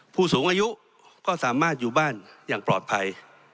ผู้สูงอายุก็สามารถอยู่บ้านอย่างปลอดภัย